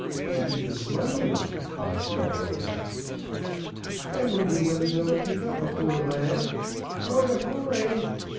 "They be the smuglars," thought Smallbones. "I wonder whether they'll pick up a poor lad? Boat ahoy!"